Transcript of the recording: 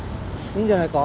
いいんじゃないか？